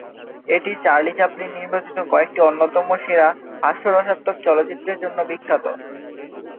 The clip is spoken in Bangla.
এটি চার্লি চ্যাপলিন নির্মিত কয়েকটি অন্যতম সেরা হাস্যরসাত্মক চলচ্চিত্রের জন্য বিখ্যাত।